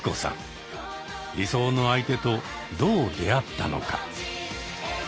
理想の相手とどう出会ったのか。